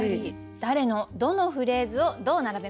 誰のどのフレーズをどう並べましょうか？